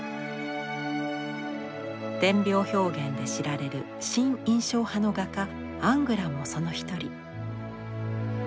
点描表現で知られる新印象派の画家アングランもその一人。